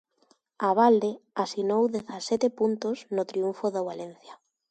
Abalde asinou dezasete puntos no triunfo do Valencia.